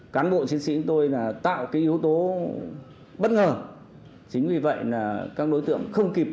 cán bộ chiến sĩ của tôi là tạo cái yếu tố bất ngờ chính vì vậy là các đối tượng không kịp